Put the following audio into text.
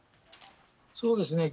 そうですね。